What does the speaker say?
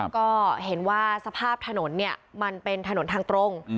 ก็เห็นว่าสภาพถนนเนี่ยมันเป็นถนนทางตรง